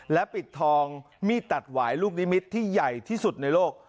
และปิดทองมีดตัดหวายลูกนิมิตรที่ใหญ่ที่สุดในโลก